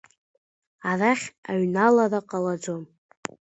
Арахь аҩналара ҟалаӡом!